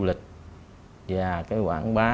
trong kế hoạch hai nghìn một mươi chín